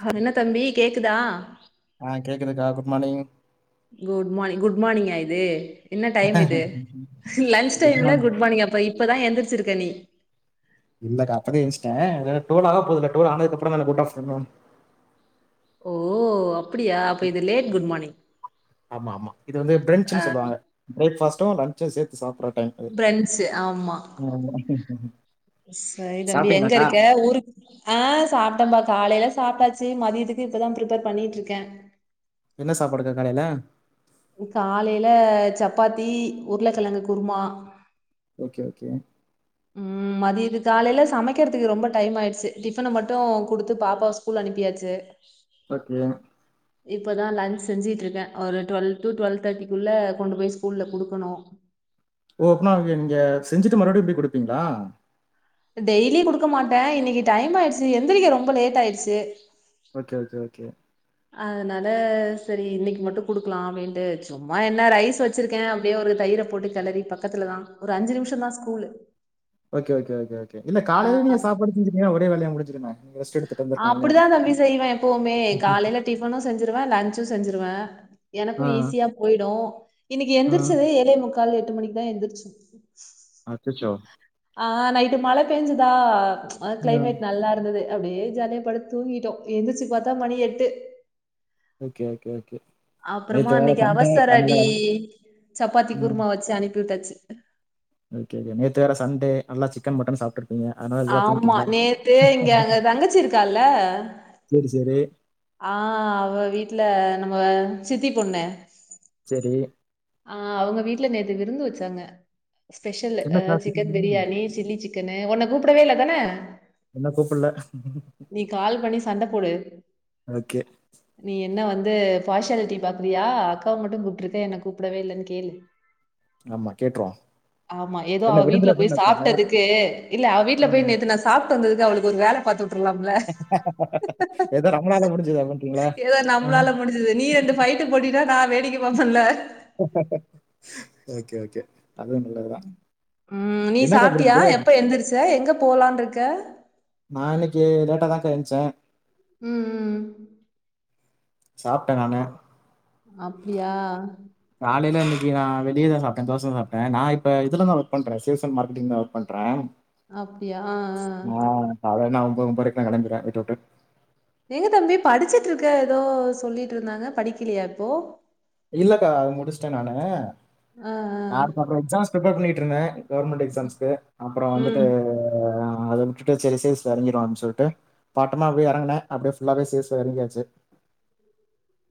ஹ என்ன தம்பி கேக்குதா குட்மானிங் குட் மார்னிங் குட் மார்னிங்கா இது என்ன டைம் இது லன்ச் டைம்ல குட் மார்னிங் அப்ப இப்பதான் எழுந்திரிச்சிருக்கே நீ இல்லக்க அப்பாவே எலுந்துச்சிட்டேன் டோல் ஆக போகுதுல்ல டோல் ஆனதுக்குப்புறம் ந குட் ஆப்டனுன் ஓ அப்படியா அப்ப இது லேட் குட் மார்னிங் ஆமா ஆமா இது வந்து ஆ பிரென்சுனு சொல்லுவாங்க பிரேக்பாஸ் டூம் லஞ்ச சேர்த்து சாப்புடுயனர டைம் இது பிரன்ச் ஆமா ஆமா சரி நம்பி எங்க இருக்க ஊருக்கு ஆஹ் சாப்பிட்டம்பா காலையில சாப்பிட்டாச்சு மதிய துக்கு இப்பதான் பிப்பேர் பண்ணிட்டு இருக்கேன் என்ன சாப்பாடுக்க காலையில காலையில சப்பாத்தி உருளைக்கிழங்கு குருமா ஓகே ஓகே உம் மதிய இது காலையில சமைக்கிறதுக்கு ரொம்ப டைம் ஆயிடுச்சு டிஃபனை மட்டும் கொடுத்து பாப்பா ஸ்கூல் அனுப்பியாச்சு ஓகே இப்பதான் லன்ச் செஞ்சிட்டு இருக்கேன் ஒரு டுவெல்வ டு டுவல்வ தேர்ட்டிக்குள்ள கொண்டு போய்ஸ்கூல்லல கொடுக்கணும் ஓ அப்பனா நீங்க செஞ்சுட்டு மறுபடியும் போய் குடுப்பீங்களா டெய்லியி குடுக்க மாட்டேன் இன்னைக்கு டைம் ஆயிடுச்சு எந்திரிக்க ரொம்ப லேட் ஆயிடுச்சு ஓகே ஓகே ஓகே அதனால சேரி இன்னைக்கு மட்டும் குடுக்கலாம் அப்படின்ட்டு சும்மா என்ன ரைஸ் வச்சிருக்கேன் அப்படியே ஒரு தயிர போட்டு களறி பக்கத்துல தான் ஒரு அஞ்சு நிமிஷம் தான் school okay okay okay okay இனிமே காயில நீ சாப்படு செஞ்ஞிடிங்கன்னா ஒரே வேலையாக முடிச்சிருமே அப்படிதான் தம்பி செய்வேன் எப்பவுமே காலையில டிஃபனும் செஞ்சிருவேன் லஞ்சும் செஞ்சிருவேன் ஆ எனக்கும் ஈஸியா போயிடும் இன்னைக்கு எந்திரிச்சது ஆ ஏழைய முக்கால் எட்டு மணிக்கு தான் எழுந்திரிச்சு அச்சோ நைட்டு மழை பெஞ்சுதா கிளைமேட் நல்லா இருந்தது அப்படியே ஜாலியை பட தூங்கிட்டோம் எழுந்திரிச்சு பார்த்தா மணி எட்டு ஓகே ஓகே கே அப்புறமா அன்னைக்கு அவசர அடி வேற- சப்பாத்தி ம் குருமா வச்சு அனுப்ப தச்ச ஓகே ஓேற்று வேற சண்டே அல்லா சிக்கன் மட்டன் சாப்பிட்டு ங்க அனது ஆமா தூங்கிட்டீங்களா நேத்து இங்க அங்க தங்கச்சி சரி சரி ஆஹ் அவ வீட்டுல நம்ம சித்தி பொண்ணு அ ஆஹ் அவங்க வீட்டுல நேற்று விருந்து வச்சாங்க ஸ்பெஷல் என்னக்கா சிக்கன் திடீர்னு பிரியாணி சில்லி சிக்கனு உன்னனை கூப்பிடவே இல்ல தானே என்ன கூப்பல்ல? நீ கால் பண்ணி சண்டை போடு அகே பார்ஷாலிட்டி பாக்குறியா அக்காவ மட்டும் கூப்பிட்டுருக்கேன் என் கூப்பிடவே இல்லைன்னு கேளு ஆமா கேட்டுறோம் ஆமா ஏதோ அவ வீட்ல போய் சாப்ட்டதுக்கு இல்ல அவ வீட்ல போய் ம். நேத்து நான் சாப்ட்டு வந்ததுக்கு அவளுக்கு ஒரு வேல பன் பாத்து விட்டுலாம்ல ஏதோ ரமணால முடிஞ்சதா பண்றீங்களா? ஏதோ ஆ நம்மளால முடிஞ்சது நீ என்ன பயிட்டு போட்டின்னா நா வேடிக்கை பாப்ன்ல ஓகே ஓகே அதுவும் நல்லதுதான். ம் நீ என்னக்கா சாப்ட்டியா விருந்து? எப்ப எந்தருச்ச எங்க போலான் இருக்க நான் இன்னைக்கு லேட்டா தான் கா என்ச்சே ம் ம் சாப்ட்ட நானு அப்டியா காலையில இன்னைக்கு நான் வெளி தா சாப்ட்ட தோச சாப்ட நான் இப்போ இதில தான் ஒர்க் பன்ற [unintelligible] மார்கெட்டிங் ஒர்க் பண்ற அப்டியா ஆ ஆ கால நான் ஒம்ப ஒம்பத்ரை க்கு கிளம்பிருவ வீட்ட விட்டுட்டு எங்க தம்பி படிச்சுட்டு இருக்க ஏதோ சொல்லிட்டு இருந்தாங்க படிக்கலையா இப்போ இல்லக்கா அது முடிச்சுிட்டேன் நானு ஆ [unintelligible] அப்புறம் எக்ஸாம்ஸ் ப்ரிப்பேர் பண்ணிட்டு இருந்தே கவர்மெண்ட் எக்ஸாம்ஸ்க்கு அப்புறம் ஆ வந்துட்டு ம் அத உட்டுட்டு சரி சேல்ஸ் ல எறங்கிரும் அப்படின்னு சொல்லிட்டு பாட்டமா அப்படியே எறங்கனே அப்படியே ஃபுல்லாவே சேர்சு எறங்கியாச்சு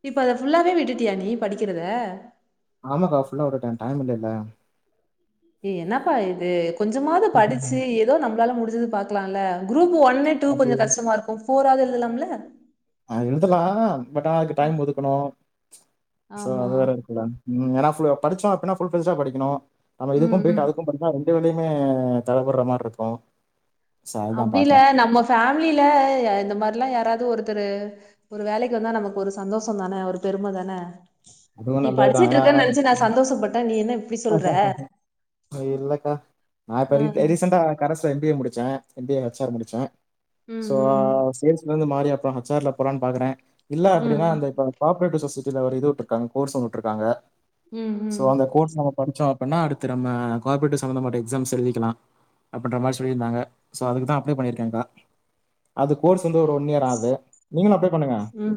இப்ப அத ஃபுல்லாவே விட்டுட்டியா நீ படிக்கிறத ஆமாக்கா ஃபுல்லா உட்டுட டைம் இல்லல்ல ஏ என்னப்பா இது கொஞ்சமாவது படிச்சு ஏதோ நம்மளால முடிஞ்சது பாக்கலால குரூப் ஒன்ணே டூ அது கொஞ்சம் கஷ்டமா இருக்கும் போராது எழுதலாம்ல அஹ், எழுதலாம் பட் அதுக்கு டைம் ஒதுக்கணும் ஆமா. அது வேற இருக்குல ஏன்னா படிச்சோ அப்டின்னா ஃபுல் ஃபிளட்ஜெட்டா படிக்குன்னு நம்ம ம், ம். இதுக்கும்போயீட்டு அதுக்கும் படிக்குனு ரெண்டு வேலயையு மே தடபடுற மாரி இருக்கு அப்படில்ல நம்ம ஃபேமிலில இந்த மாதிரல்லாம் யாராவது ஒரு தரு ஒரு வேலைக்கு வந்தா நமக்கு ஒரு சந்தோஷம் தானே ஒரு பெருமை தானே அதுவும் நீ நல்லதுதான் படிச்சுட்டு ஏன்னா இருக்கன்னு நினைச்சு நான் சந்தோஷப்பட்ட நீ என்ன இப்படி சொல்ற இல்லக்கா நான் இப்ப அ. ரீசன்டா கரஸ் ல எம்பிஏ முடிச் ச M B A H R முடிச்சே ம், சோ ம். சேல்ஸ் மேன் இருந்து மாறி அப் ஹச் ஆர் ல போலான்னு பாக்ற இல்ல அப்டின்னா ம். அந்த ஆ இப்ப [unintelligible] சொசைட்டில ஒரு இது உட் ருக்காங்க கோர்ஸ் ஒண்ணு உட்ருக்காங்க ம், சோ ம். அந்த கோர்ஸ் நம்ம படிச்சோம் இப்பனா அடுத்து நம்ம கோ ஆப்ரேட்டிவ் சம்பந்தப்பட்ட எக்ஸாம்ஸ் எழுதிக்கலா அப்பின்ற மாதிரி சொல்லியிருந்தாங்க சோ அதுக்குதான் அப்ளை பண்ணியிருக்காங்க அது கோர்ஸ் கோர்ஸ் வந்து ஒன் இயர் ஆகுது நீங்களு அப்லே பண்ணுங்க ம்.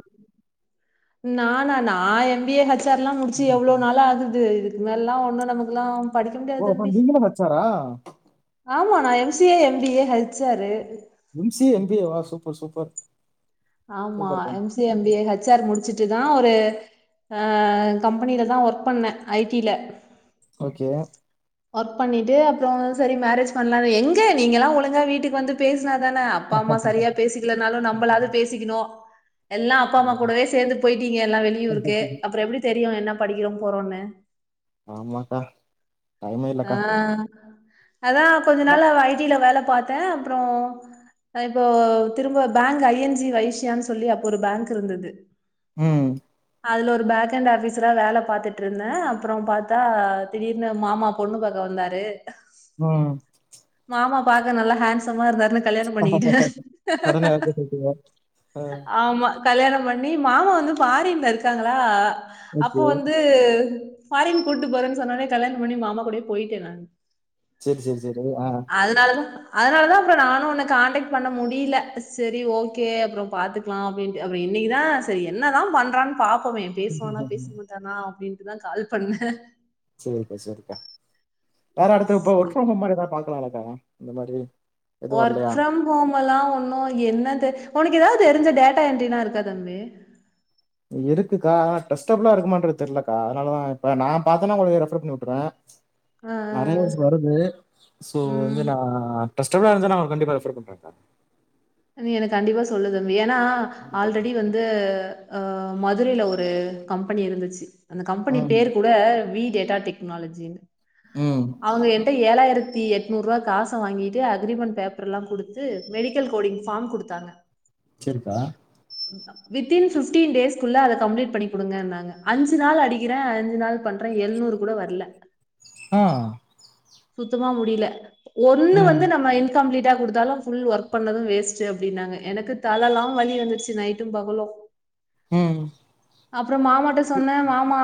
எம் பி ஏ ஹச்சார் எல்லாம் முடிச்சு எவ்வளவு நாள ஆகுது இதுக்கு மேலல்லாம் ஒன்னும் நமக்கு எல்லாம் படிக்க ஓ! முடியாது அப்ப தம்பி நீங்களும் ஹெச்ஆரா? ஆமா நான் MCA MBA HR MC MBA வா சூப்பர் சூப்பர் ஆமா சூப்பர்க்கா. எம்சிஏ எம்பிஏ ஹெச்சார் முடிச்சு தான் ஒரு கம்பெனில தா ஒர்க் பண்ணே ஐடில ஓகே ஒர்க் பண்ணிட்டு அப்றோ சரி மேரேஜ் பண்லா எங்க நீங்க எல்லா ஒழுங்கா வீட்டுக்கு வந்து பேச பேசினாதானே அப்பா அம்மா சரியா பேசிக்கலனாலும் நம்மளாவது பேசிக்கணும் எல்லாம் அப்பா அம்மா கூட சேர்ந்து போயிட்டீங்க எல்லா வெளியூருக்கு அப்றோ எப்டி தெரியு என்ன படிக்கிறோம் போறோன்னு ஆமாக்கா டைமே ஆ இல்லக்கா. அதா கொஞ்ச நாளா ஐடியில வேல பாத்தே அப்றோ இப்போ திரும்ப பேங்க் ஐஎன்ஜி வைசியானு சொல்லி அப்போ ஒரு பேங்க் இருந்தது ம் அதுல ஒரு பேக்ஹண்ட் ஆஃபீஸரா வேல பாத்துட்டு இருந்த அப்றோ பாத்தா திடீர்னு மாமா பொண்ணு பாக்க வ வந்தாரு ம் ஆமா பாக்க நல்லா ஹேண்ட்சமா இருந்தாரு கல்யாணம் பண்ணிக்கிட்டேன் சடனா யார்ட்ட சொல்ட்டீங்க? ஆ, ஆமா கல்யாணம் பண்ணி மாமா வந்து ஃபாரின்ல இருக்காங்களா அப்போ ஓகே. வந்து ஃபாரின் கூட்டு போறேனு சொன்னோனே கல்யாணம் பண்ணி மாமா கூடயே போயிட்டேன் நான் சரி சரி சரி ஆ அதனால தான் அப்றோ நானும் உன்ன கான்டக்ட் பண்ண முடில சரி ஓகே அப்றோ பாத்துக்கலாம் அப்டின்ட்டு அப்டின்னு இன்னிக்குதான் சரி என்னதான் பண்றான் பாப்போமே பேசுவானா பேச ம்ஹ்ஹ்ஹ்ம். மாட்டானா அப்டின்ட்டு தான் கால் பண்ணேன் சரிக்கா சரிக்கா வேற அடுத்த இப்ப ஒர்க் ஃப்ரம் ஹோம் மாரி ஏடுத்து பாக்கலாலக்கா இந்த மாரி ஒர்க் ஃப்ரம் ஹோம் எல்லாம் ஒண்ணு என்னது உன ஏதாவது தெரி்ஞ்ச டேட்டா என்ட்ரினா இருக்கா தம்பி இருக்குக்கா ஆனா ட்ரெஸ்டபுலா இருக்குமான்றது தெரிலலக்கா அதானால தான் இப்ப நான் பாத்தேன்னா உங்குளுக்கு ரெஃபர் பண்ணி விட்டுறேன் ஆ நறையா ஆ நியூஸ் வருது சோ ம் வந்து நா ட்ரஸ்ட் தமிழா இருந்தா நா கண்டிப்பா ரெஃபர் பண்றங்கா நீ எனக்கு கண்டிப்பா சொல்லு தம்பி ஏனா கண்டிப்பாக்கா. ஆல்ரெடி வந்து அ மதுரையில ஒரு கம்பெனி இருந்துச்சு அந்தக் கம்பெனி ம் பேர் கூட வீட்டு டேட்டா டெக்னாலஜி ம் அவுங்க என்ட்ட ஏழாயிரத்தி எட்நூறு ரூவா காச வாங்கிட்டு அக்ரிமெண்ட் பேப்பர்லாம் கொடுத்து மெடிக்கல் கோடிங் ஃபார்ம் குடுத்தாங்க வச்சிருக்கா வித் இன் ஃபிப்டீன் டேஸ்குள்ள அத கம்ப்ளீட் பண்ணி குடுங்கனாங்க அஞ்சு நாள் அடிக்கிறேன் அஞ்சு நாள் பண்றேன் எழுநூறு கூட வரல ஆ சுத்தமா முடில ஒண்ணு ம் வந்து நம்ம கம்ப்ளீட்டா கொடுத்தாலும் ஃபுல் ஒர்க் பண்ணதும் வேஸ்ட் அப்படினாங்க எனக்கு தல எல்லாம் வலி வந்துருச்சு நைட்டும் பகலும் ம் அப்றோ மாமாட்ட சொன்ன மாமா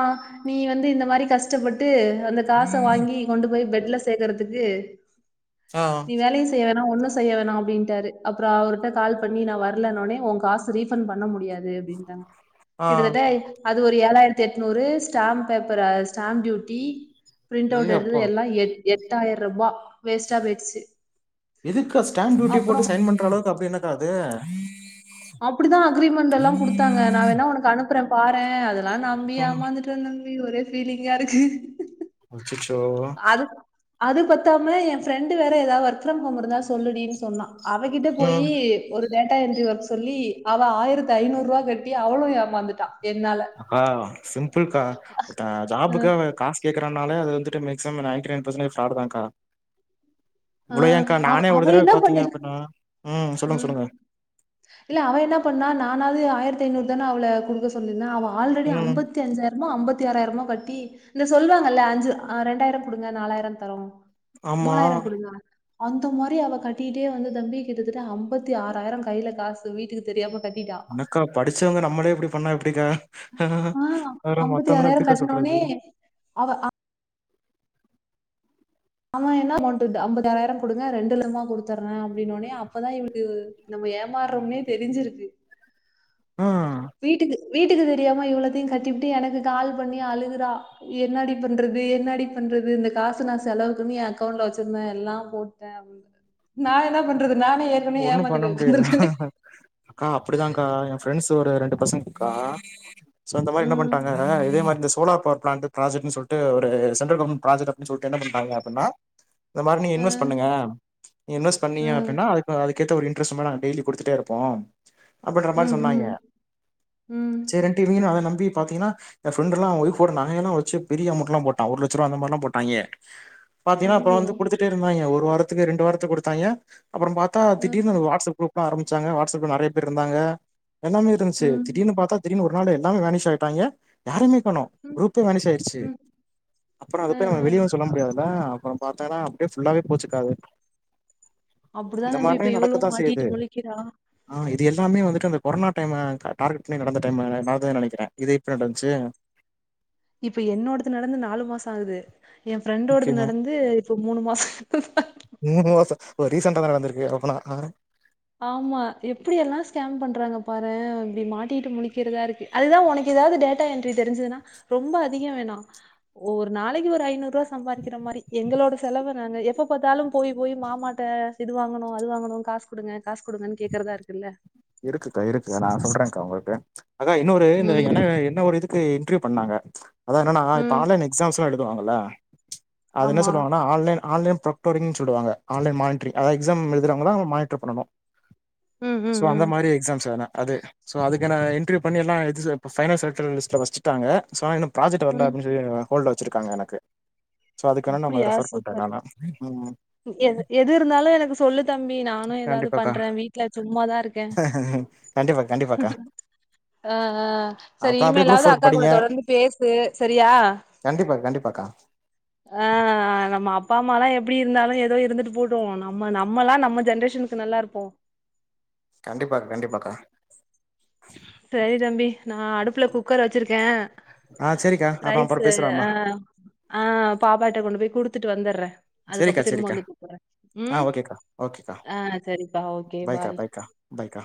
நீ வந்து இந்த மாரி கஷ்டப்பட்டு அந்த காச வாங்கி கொண்டு போய் பெட்ல சேக்குறதுக்கு ஆ நீ வேலையும் செய்ய வேனா ஒன்னும் செய்ய வேணாம் அப்டின்டாரு அப்பறோ அவருட்ட கால் பண்ணி நா வரலனோனே உன் காச ரீஃபண்ட் பண்ண முடியாது அப்படின் ஆ ஆ கிட்டத்தட்ட அது ஒரு ஏழாயிரத்தி எட்நூறு stamp paper stamp duty print ஏ அவுட் எடுத்தது அப்பா எல்லாம் எட்டாயிரம் ரூபா வேஸ்ட்டா போயிடுச்சு இதுக்கா ஸ்டாம் டயூட்டி அப்றோ போட்டு சைன் பண்ற அளவுக்கு அப்டி என்னக்கா அது அப்டிதான் அக்ரிமெண்ட் எல்லாம் குடுத்தாங்க நான் வேணா உனக்கு அனுப்புற பாறேன் அதல்லாம் நம்பி ம் ஏமாந்துட்ட தம்பி ஒரே ஃபீலிங்கா இருக்கு அச்சசோ அது அது பத்தாம என் ஃரெண்டு வேற ஏதாவ ஒர்க் ஃப்ரம் ஹோம்ருந்தா சொல்லுடின் சொன்னா அவகிட்ட ம் போயி ஒரு டேட்டா என்ட்ரி ஒர்க் சொல்லி அவ ஆயிரத்து ஐநூரூபா கட்டி அவளு ஏமாந்துட்டா என்னால ஆஹ் சிம்புள் கா அ அ ஜாபுக்கவ காஸ் கேட் க்கரனால அது வந்துட்டு மேக்சிமம் நைன்டிநைன் ஃபர்சன்ட்டேஜ் ஃப்ராடு தான்கா ஆ உளையா்கா அவ நானே அவ ஒரு தடவ என்ன பாத்தீங்க பண்ணிருக் அப்பின்னா உம் ம் இல்ல அவ என்ன பண்ணா நானாவது ஆயிரத்தி ஐநூறு தான அவள குடுக்க சொல்லிந்த அவ ஆல்ரெடி ம் அம்பத்தி அஞ்சாயிரமோ அம்பத்தி ஆறாயிரமோ கட்டி இந்த சொல்வாங்கள்ள அஞ்சு ஆஹ் ரெண்டாயிர குடுங்க நாலாயிர தரோ ஆமா மூனாயிர குடுங்க அந்த மாரி அவ கட்டிட்டே வந்து தம்பி கிட்டத்தட்ட அம்பத்தி ஆறாயிரங்கையில காசு வீட்டுக்கு தெரியாம கட் என்னக்கா படிச்சவங்க நம்மளே இப்டி பண்ண எப்டிக்கா ஆ அர ஐம்பத்தி மொத்தமா நா ஆறாயிரம் எப்டிக்க கட்னோனே சொல்றது அவ ஆமா என்ன அமௌண்டு இது அம்பத்தி ஆறாயிரம் குடுங்க ரெண்டு லமா குடுத்தறே அப்டின்னோனே அப்பதா இவளுக்கு நம்ம ஏமாறொம்னே தெரிஞ்சிருக்கு ஆ வீட்டுக்கு வீட்டுக்கு தெரியாம இவ்ளத்தையுங் கட்டிபுட்டு எனக்கு கால் பண்ணி அழுகுறா என்னாடி பண்றது என்னாடி பண் றது இந்த காசு நா செலவுக்குனு ஏ அக்கவுண்ட்ல வச்சிருந்தே எல்லாம் போட்டே அப் நா என்ன பண்றது நானே ஏற்கனவே ஒன்னு ஏமாந்து பண்ண போய் முடியாது உக்காந்துருக்கேனே அக்கா அப்டிதாங்க்கா எ ஃப்ரெண்ட்ஸ் ஒரு ரெண்டு பசங்க்கா சோ இந்த மாரி என்ன ம் பண்ட்டாங்க இதே மாரி இந்த சோலா பர் பிளான்ட்டு ப்ராஜெக்ட்னு சொல்ட்டு ஒரு சென்ட்ரல் கவர்மெண்ட் ப்ராஜக்ட் அப்டினு சொல்ட்டு என்ன பண்ணிட்டாங்க அப்டினா இந்த மாரி நீங்க ஆ இன்வெஸ்ட் பண்ணுங்க நீங்க இன்வெஸ் பண்ணிங்க ஆ அப்டின்னா அது அதுக்கேத்த ஒரு இன்ட்ரஸ்ட்டுமா நாங்க டெய்லி குடுத்துட்டேருப்போ. அப்பிங்குற மாரி ம் சொன்னாங்க ம் ம். சேரின்ட்டு இவிங்களு அத நம்பி பாத்திங்கன்னா எ ஃப்ரண்டெல்லா அவெ ஒய்ஃபோட நகையெல்லா வச்சு பெரிய அமொண்ட்லா போட்டா ஒரு லட்ச ரூபா அந்தமாருலா போட்டாய்ங்க பாத்தீயன்னா அப்பற ஐயய்யோ! வந்து குடுத்துட்டேருந்தாய்ங்க ஒரு வாரத்துக்கு ரெண்டு வாரத்துக்கு குடுத்தாய்ங்க அப்பறம் பாத் த்தா அ, திடீர்னு வாட்ஸ்அப் குரூப்லா ஆரம்பிச்சாங்க வாட்ஸ்அப்ல நெறைய பேர் இருந்தாங்க எல்லாமே இருந்துச்சு ம், திடீர்னு பாத்தா திடீர்னு ஒரு நாள் எல்லாமே வேனிஷ் ஆயிட்டாய்ங்க யாரைமே ப்பனு ம், குரூப்பே வேனிஷ் ஆயிடுச்சு ம், அப்பற அத அ, போய் நம்ம அ. வெளியவு சொல்ல முடியாதுல அப்பறம் பாத்தன்னா அப்டியே ஃபுல்லாவே போச்சுக்காது அப்படிதான் இந்த நம்பி மாரே இப்ப நடக்கதா இவளும் மாட்டிட்டு செய்யுது முழிக்கிறா. ஆ இ இது எல்லாமே வந்துட்டு அந்த கொரோனா டைம டா டார்கெட் பண்ணி நடந்த டைமு நடந்ததுன் நெனைக்கிற இது எப்ப நடந்துச்சு இப்ப என்னோடது நடந்து நாலு மாச ஆகுது எ ஃப்ரெண்டோடது ஓகேங்க நடந்து இப்ப மூனு மாச மூனு மாசொ ப்ப ரீசன்டாதா நடந்திருக்கு அப்பனா அ ஆமா எப்டி எல்லா ஸ்கேம் பண்றாங்க பாரே இப்டி மாட்டிட்டு முழிக்கிறதாருக்கு அதுதா ஒனக்கெ தாவது டேட்டா என்ட்ரி தெரிஞ்சுதுன்னா ரொம்ப அதிக வேணா ஒரு நாளைக்கு ஒரு ஐநூரூவா சம்பாரிக்கிற மா ரி எங்களோட செலவ நாங்க எப்ப பாத்தாலும் போய் போய் மாமாட்ட இது வாங்கணு அது வாங்கணு காசு குடுங்க காசு குடுங்கன் கேக்கறதாருக்குல்ல. இருக்குக்கா இருக்கு நா சொல்றேங்க்கா உங்களுக்கு அதா இன்னொரு இந்த ம், என என்ன ஒரு இதுக் கு இன்ட்ரிவ் பண்ணாங்க அதா என்னனா இப்ப ம். ஆன்லைன் எக்ஸாம்ஸ்லா எழுதுவாங்கல்ல அது என்ன ஆமா. சொல்லுவாங்கன்னா ஆன்லைன் ஆன்லைன் ப்ரொகோடிங் சொல்டுவாங்க ஆன்லைன் மான்ட்ரி அதாது எக்ஸாம் எழுதுறவங்கதா அவுங் மானிட்ர் பண்ணனு ம் ம் சோ அந்த ம் மாரி எக்ஸாம்ஸ் வேணா அது ஸோ அதுக்கான இன்ட்ரிவ் பண்ணி எல்லா இது ஸ இப்ப ஃபைனல் செலக்ஷன் லிஸ்ட்ல வச்சுட்டாங்க சோ எனப் ப்ராஜெக்ட் வரல ம் அப்டின் சொல்லி என்னய ஹோல்ட்ல வச்சிருக்காங்க எனக்கு சோ அதுக்கு வேணா நா ஓங்கள அப்டியா ரெஃபர் பண்றே சூப்பர் நானா ம் ம் எது எதுருந்தாலு எனக்கு சொல்லு தம்பி நானு எதாது கண்டிப்பாக்கா பண்றே வீட்ல சும்மா கண்டிப்பா கண்டிப்பாக்கா ஆ ஆ சரி அப்றோ அப்டியே குரூப் இனிமேலாது ஃபோர்க்கு அக்கா கூட தொடர்ந்து பேசு சரியா கண்டிப்பாக் கண்டிப்பாக்கா ஆ ஆ நம்ம அப்பா அம்மாலாம் எப்டி இருந்தாலு எதோ இருந்துட்டு போட்டு நம்ம நம்ம எல்லா நம்ம ஜென்ரேஷனுக்கு நல்லா இருப்போ கண்டிப்பாக் கண்டிப்பாக்கா சரி தம்பி நா அடுப்புல குக்கர வச்சிருக்கே ஆ செரிக்கா அப்றோ ரைஸ் அப்றோ ஆ பேசுறோம்மா ஆ பாப்பாட்ட கொண்டு போய் குடுத்துட்டு வந்துடுறே செரிக்கா அதுக்கப்புறொ திரும்ப செரிக்கா வந்து கூப்புறே ஆ ம் ஓகேக்கா ஓகேக்கா ஆ சரிப்பா ஓகே பாய்க்கா பாய் பாய்க்கா பாய்க்கா